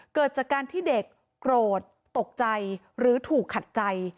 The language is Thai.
เกิดจากการที่เด็กโกรธตกใจหรือถูกขัดใจ